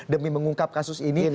demi mengungkap kasus ini